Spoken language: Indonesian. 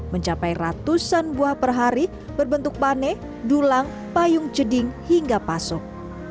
mencapai ratusan buah per hari berbentuk pane dulang payung ceding hingga pasok